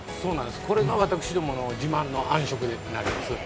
これが私どもの自慢のあん食になります。